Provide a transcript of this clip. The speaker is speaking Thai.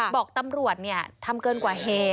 บอกตำรวจทำเกินกว่าเหตุ